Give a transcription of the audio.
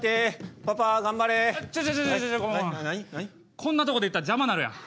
こんなとこで言ったら邪魔なるやん。